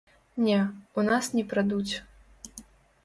Не, у нас не прадуць.